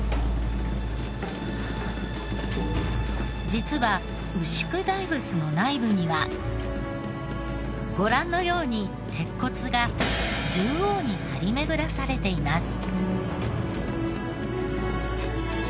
実は牛久大仏の内部にはご覧のように鉄骨が縦横に張り巡らされています。